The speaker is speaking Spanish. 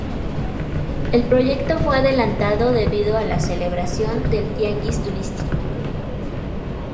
El proyecto fue adelantado debido a la celebración del Tianguis Turístico.